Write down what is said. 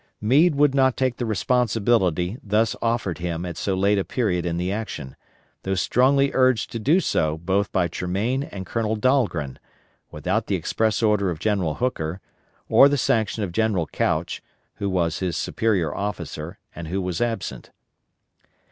Meade would not take the responsibility thus offered him at so late a period in the action, though strongly urged to do so both by Tremaine and Colonel Dahlgren, without the express order of General Hooker, or the sanction of General Couch, who was his superior officer, and who was absent.